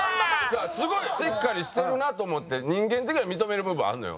すごいしっかりしてるなと思って人間的には認める部分あるのよ。